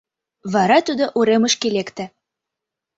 Вара тудо уремышке лекте.